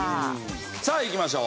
さあいきましょう。